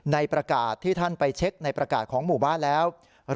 ในประกาศที่ท่านไปเช็คในประกาศของหมู่บ้านแล้ว